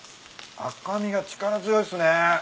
赤身が力強いっすね。